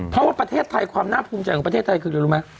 เพราะว่าประเทศไทยความน่าภูมิใจของประเทศไทยคือ